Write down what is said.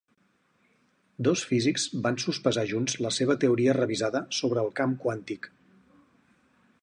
Dos físics van sospesar junts la seva teoria revisada sobre el camp quàntic.